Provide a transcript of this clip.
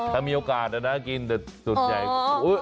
ถ้ามีโอกาสนะกินแต่ส่วนใหญ่